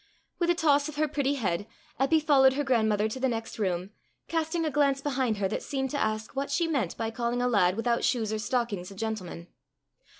With a toss of her pretty head, Eppy followed her grandmother to the next room, casting a glance behind her that seemed to ask what she meant by calling a lad without shoes or stockings a gentleman.